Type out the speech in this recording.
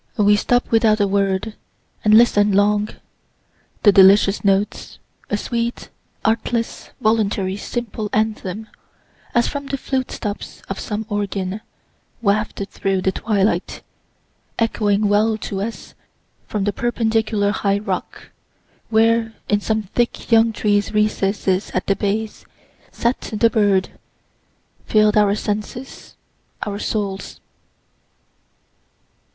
We stopp'd without a word, and listen'd long. The delicious notes a sweet, artless, voluntary, simple anthem, as from the flute stops of some organ, wafted through the twilight echoing well to us from the perpendicular high rock, where, in some thick young trees' recesses at the base, sat the bird fill'd our senses, our souls.